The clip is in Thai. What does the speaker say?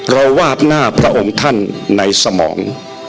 วาบหน้าพระองค์ท่านในสมอง